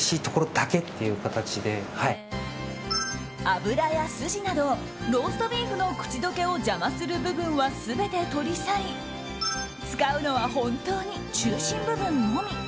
脂や筋などローストビーフの口溶けを邪魔する部分は全て取り去り使うのは本当に中心部分のみ。